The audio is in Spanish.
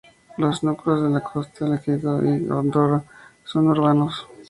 Los núcleos de la costa, Lequeitio y Ondárroa, son urbanos.